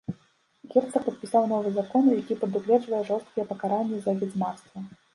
Герцаг падпісаў новы закон, які прадугледжвае жорсткія пакаранні за вядзьмарства.